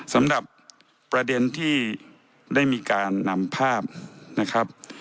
สำหรับประเด็นที่ได้มีการนำภาพนะครับ